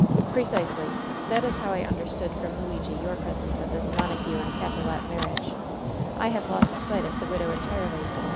" Trecisely. That is how I understood from Luigi your presence at this Montague and Capulet marriage. I have lost sight of the widow entirely.